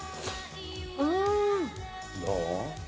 どう？